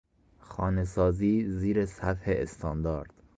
خانه سازی زیر سطح استاندارد